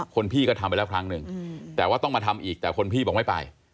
คนพี่ก็ทำไปแล้วครั้งหนึ่งแต่ว่าต้องมาทำอีกแต่คนพี่บอกไม่ไป